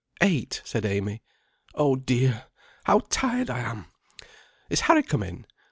"Eight," said Amy. "Oh dear! how tired I am! Is Harry come in?